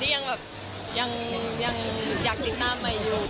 ที่ยังอยากติดตามใหม่อยู่